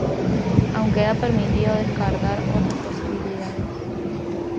Aunque ha permitido descartar otras posibilidades.